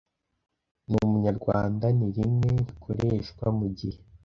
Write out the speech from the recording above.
n Umunyarwanda ni rimwe n irikoreshwa mu gihe